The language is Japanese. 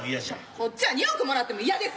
こっちは２億もらっても嫌です。